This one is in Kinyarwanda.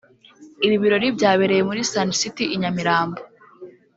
Ibi birori byabereye muri Sun City i Nyamirambo